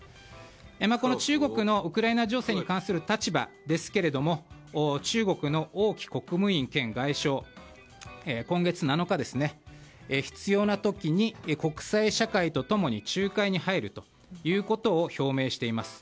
この中国のウクライナ情勢に関する立場ですけれども中国の王毅国務委員兼外相は今月７日必要な時に国際社会と共に仲介に入るということを表明しています。